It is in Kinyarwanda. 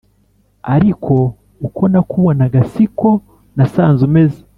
ariko uko nakubonaga si ko nasanze umeze